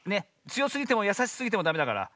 つよすぎてもやさしすぎてもダメだから。